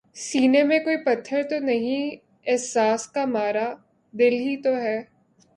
سینے میں کوئی پتھر تو نہیں احساس کا مارا، دل ہی تو ہے